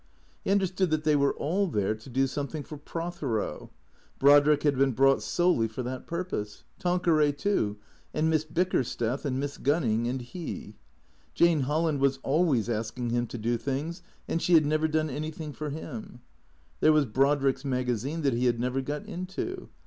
He understood that they were all there to do something for Prothero. Brodrick had been brought solely for that purpose. Tanqueray, too, and Miss Bickersteth and Miss Gunning, and he. Jane Holland was always asking him to do things, and she had never done anything for him. There was Brodrick's magazine that he had never got into.